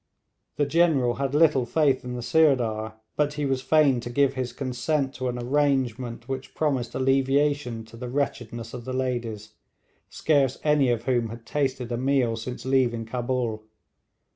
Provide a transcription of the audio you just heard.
The General had little faith in the Sirdar, but he was fain to give his consent to an arrangement which promised alleviation to the wretchedness of the ladies, scarce any of whom had tasted a meal since leaving Cabul.